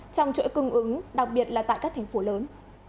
trong chỗ cưng ứng đặc biệt là tại các thành phố lớn